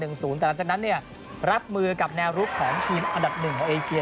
แต่หลังจากนั้นรับมือกับแนวรุกของทีมอันดับหนึ่งของเอเชีย